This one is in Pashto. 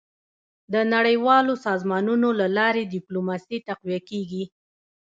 . د نړیوالو سازمانونو له لارې ډيپلوماسي تقویه کېږي.